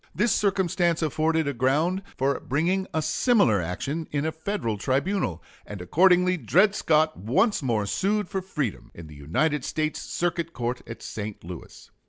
This circumstance afforded a ground for bringing a similar action in a Federal tribunal, and accordingly Dred Scott once more sued for freedom, in the United States Circuit Court at St. Louis.